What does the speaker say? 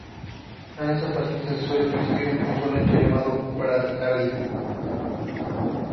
En estos pacientes se suele percibir un pulso lento llamado bradicardia.